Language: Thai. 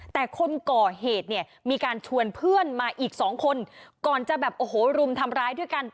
แต่คนก่อเหตุเนี่ยมีการชวนเพื่อนมาอีกสองคนก่อนจะแบบโอ้โหรุมทำร้ายด้วยกัน